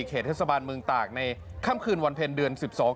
เขตเทศบาลเมืองตากในค่ำคืนวันเพ็ญเดือนสิบสอง